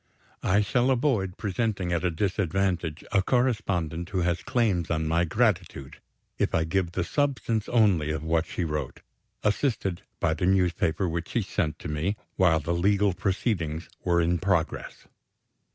I shall avoid presenting at a disadvantage a correspondent who has claims on my gratitude, if I give the substance only of what she wrote assisted by the newspaper which she sent to me, while the legal proceedings were in progress.